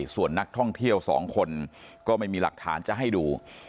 ส่วนนักท่องเที่ยว๒คนก็ไม่มีหลักฐานจะให้ดู